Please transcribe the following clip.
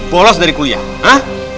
bolos dari kuliah ha